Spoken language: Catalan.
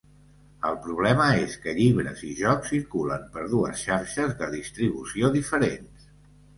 El problema és que llibres i jocs circulen per dues xarxes de distribució diferents.